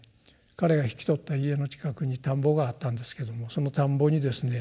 彼が引き取った家の近くに田んぼがあったんですけどもその田んぼにですね